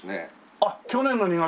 あっ去年の２月。